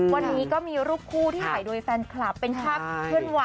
วันนี้ก็มีรูปคู่ที่ถ่ายโดยแฟนคลับเป็นภาพเคลื่อนไหว